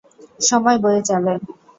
সময় বয়ে চলে।